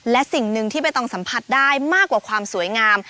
และสิ่งหนึ่งที่ใบตองสัมผัสได้มากกว่าความสวยงาม